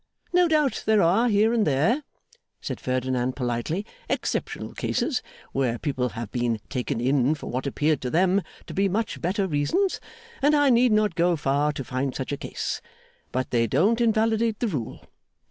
No doubt there are here and there,' said Ferdinand politely, 'exceptional cases, where people have been taken in for what appeared to them to be much better reasons; and I need not go far to find such a case; but they don't invalidate the rule.